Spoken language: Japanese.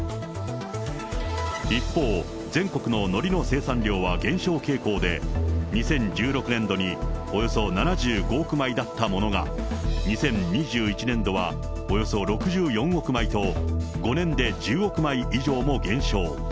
一方、全国ののりの生産量は減少傾向で、２０１６年度におよそ７５億枚だったものが、２０２１年度はおよそ６４億枚と、５年で１０億枚以上も減少。